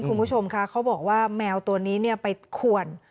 คุณผู้ชมคะเขาบอกว่าแมวตัวนี้ไปขวน